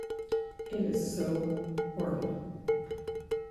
It is so horrible.